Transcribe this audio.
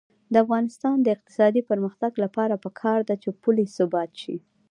د افغانستان د اقتصادي پرمختګ لپاره پکار ده چې پولي ثبات وي.